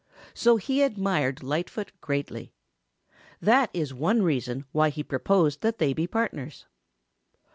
So he admired Lightfoot greatly. That is one reason why he proposed that they be partners.